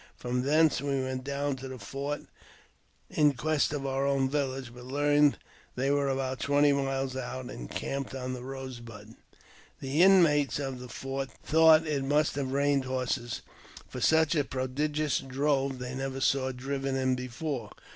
Froi thence we went down to the fort in quest of our own village, but learned they were about twenty miles out, encamped oi the Eose Bud. The inmates of the fort thought it must have rained horses, for such a prodigious drove they never sa^ driven in before.